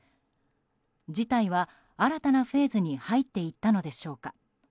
事態は新たなフェーズに入っていったのでしょうか。